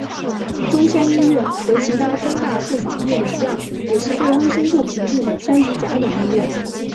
中山一院和其它中大附属医院一样也是被卫生部评定的三级甲等医院。